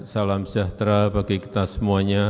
salam sejahtera bagi kita semuanya